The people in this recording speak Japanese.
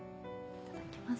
いただきます。